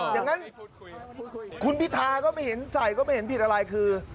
อย่างนั้นคุณพิธาก็ไม่เห็นใส่ก็ไม่เห็นผิดอะไรคือ